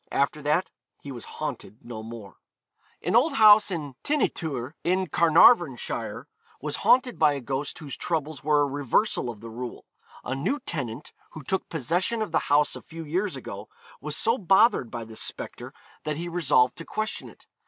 After that he was haunted no more. An old house at Ty'n y Twr, in Carnarvonshire, was haunted by a ghost whose troubles were a reversal of the rule. A new tenant, who took possession of the house a few years ago, was so bothered by this spectre that he resolved to question it.